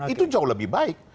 itu jauh lebih baik